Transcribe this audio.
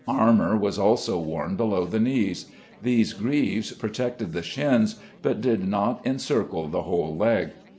Armor was also worn below the knees. These greaves protected the shins, but did not encircle the whole leg.